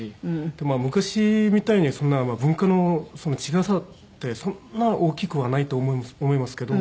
でも昔みたいにそんな文化の違いってそんな大きくはないと思いますけど。